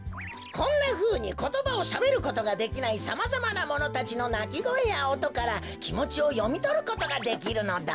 こんなふうにことばをしゃべることができないさまざまなものたちのなきごえやおとからきもちをよみとることができるのだ。